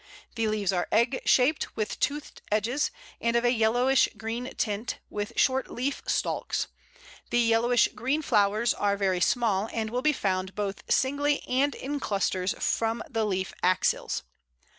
The leaves are egg shaped, with toothed edges, and of a yellowish green tint, with short leaf stalks. The yellowish green flowers are very small, and will be found both singly and in clusters from the leaf axils.